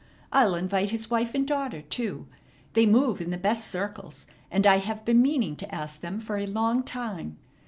I'll invite his wife and daughter too. They move in the best circles, and I have been meaning to ask them for a long time.